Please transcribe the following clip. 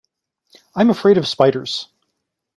I'm afraid of spiders.